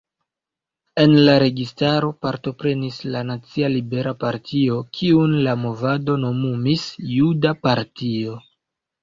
En la registaro partoprenis la Nacia Liberala Partio, kiun la movado nomumis „Juda partio“.